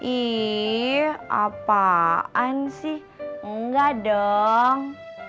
ih apaan sih enggak dong